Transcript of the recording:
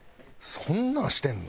そんなんしてんの？